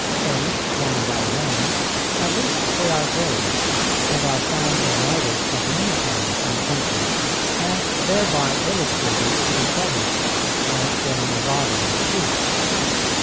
Faint one by one, at least they are various, and are found in writers of many times and countries, and thereby illustrative of each other, and forming a body of proof.